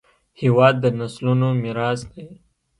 هېواد د نسلونو میراث دی.